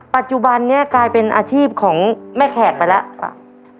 ปัจจุบันนี้กลายเป็นอาชีพของแม่แขกไปแล้ว